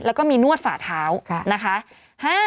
แล้วก็มีนวดฝ่าเท้านะคะ